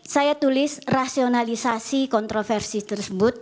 saya tulis rasionalisasi kontroversi tersebut